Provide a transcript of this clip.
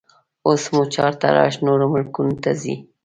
اوس مو چارتراش نورو ملکو ته نه ځي